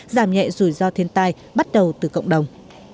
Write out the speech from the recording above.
giảm nhẹ rủi ro thiên tai bắt đầu từ cộng đồng